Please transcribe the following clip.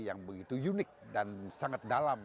yang begitu unik dan sangat dalam